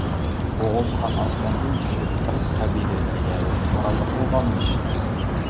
ئوغۇزخان ئاسماندىن چۈشۈپ تۈرك قەبىلىلىرىگە ھۆكۈمرانلىق قىلغانمىش.